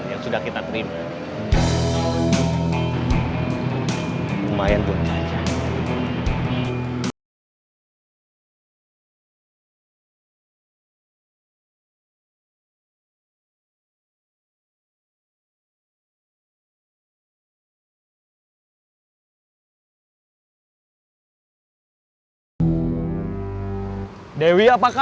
yang sudah kita terima